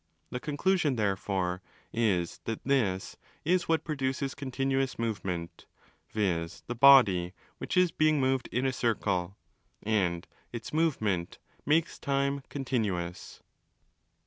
The conclusion therefore is that z¢kzs is what produces continuous movement, viz. the body which is being moved in a circle; and its movement makes time continuous.